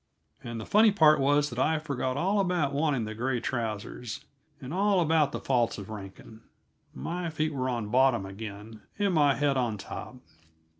And the funny part was that I forgot all about wanting the gray trousers, and all about the faults of Rankin. My feet were on bottom again, and my head on top.